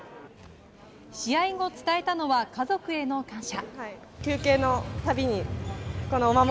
試合後、伝えたのは家族への感謝。